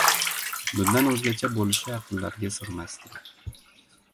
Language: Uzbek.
Bundan oʻzgacha boʻlishi aqllariga sigʻmasdi.